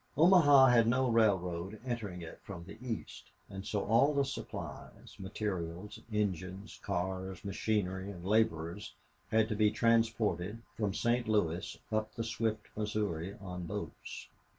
Omaha had no railroad entering it from the east, and so all the supplies, materials, engines, cars, machinery, and laborers had to be transported from St. Louis up the swift Missouri on boats.